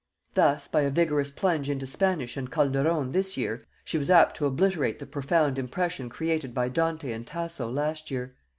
Thus by a vigorous plunge into Spanish and Calderon this year, she was apt to obliterate the profound impression created by Dante and Tasso last year.